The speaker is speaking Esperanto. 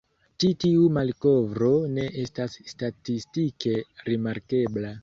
Ĉi tiu malkovro ne estas statistike rimarkebla.